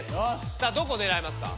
さあどこ狙いますか？